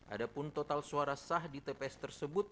adapun total suara sah di tps tersebut